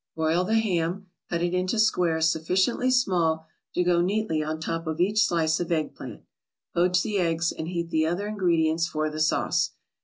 Broil the ham, cut it into squares sufficiently small to go neatly on top of each slice of egg plant. Poach the eggs, and heat the other ingredients for the sauce.